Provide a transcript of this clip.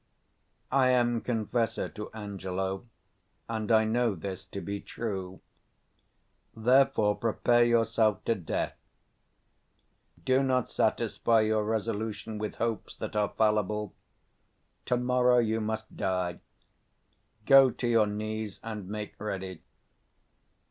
I am confessor to Angelo, and I know this to be true; therefore prepare yourself to death: do not satisfy your resolution with hopes that are fallible: to morrow you must die; go to your knees, and make ready.